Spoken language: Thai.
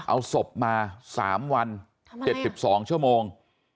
เอาศพมา๓วัน๗๒ชั่วโมง